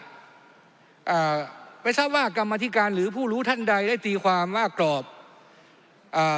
อ่าไม่ทราบว่ากรรมธิการหรือผู้รู้ท่านใดได้ตีความว่ากรอบอ่า